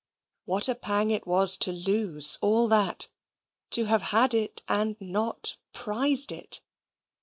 What a pang it was to lose all that: to have had it and not prized it!